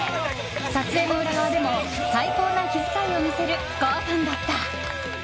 撮影の裏側でも、最高な気遣いを見せる郷さんだった。